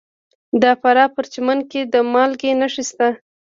د فراه په پرچمن کې د مالګې نښې شته.